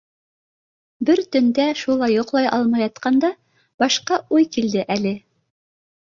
Бер төндә, шулай йоҡлай алмай ятҡанда, башҡа уй килде әле.